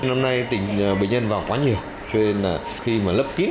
năm nay tình bệnh nhân vào quá nhiều cho nên là khi mà lấp kít